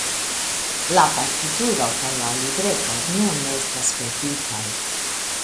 La partituro kaj la libreto nun estas perditaj.